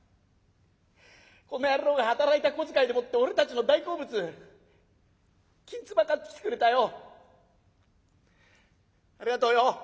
この野郎が働いた小遣いでもって俺たちの大好物きんつば買ってきてくれたよ。ありがとよ。